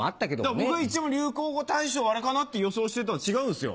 僕一応流行語大賞あれかなって予想してたら違うんですよ。